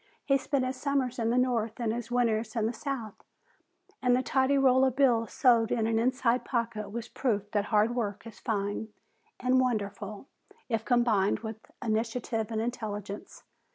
He spent his summers in the north and his winters in the south, and the tidy roll of bills sewed in an inside pocket was proof that hard work is fine and wonderful if combined with initiative and intelligence.